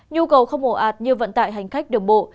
nhu cầu không ổ ạt như vận tải hành khách đường bộ